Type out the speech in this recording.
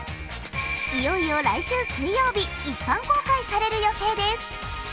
いよいよ来週水曜日、一般公開される予定です。